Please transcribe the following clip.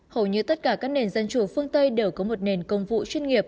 hầu như tất cả các nền dân chủ phương tây đều có một nền công vụ chuyên nghiệp